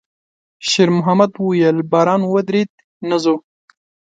شېرمحمد وويل: «باران ودرېد، نه ځو؟»